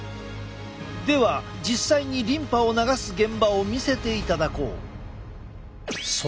では実際にリンパを流す現場を見せていただこう。